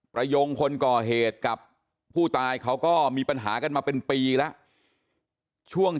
ยงคนก่อเหตุกับผู้ตายเขาก็มีปัญหากันมาเป็นปีแล้วช่วง